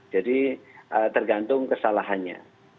jadi tergantung kesalahannya